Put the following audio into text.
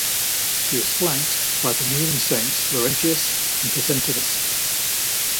She is flanked by the kneeling saints Laurentius and Persentinus.